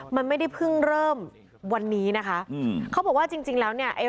นี่ไม่ได้เพิ่งเริ่มวันนี้นะคะเขาบอกว่าจริงแล้วเนี่ย